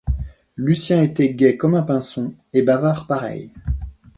Lucien était gai comme un pinson, et bavard pareil.